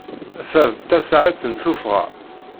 Ta d tasaɛet n tuffɣa.